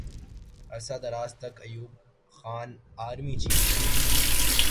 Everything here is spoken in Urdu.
عرصہ دراز تک ایوب خان آرمی چیف رہے۔